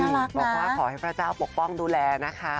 บอกว่าขอให้พระเจ้าปกป้องดูแลนะคะ